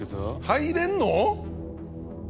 入れんの！？